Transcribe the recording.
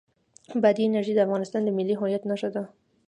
بادي انرژي د افغانستان د ملي هویت نښه ده.